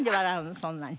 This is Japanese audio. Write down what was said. そんなに。